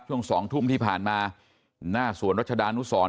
ช่วง๒ทุ่มที่ผ่านมาหน้าสวนรัชดานุสร